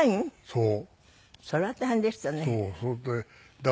そう。